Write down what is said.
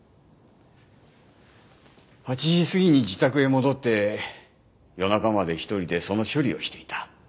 ８時過ぎに自宅へ戻って夜中まで１人でその処理をしていた。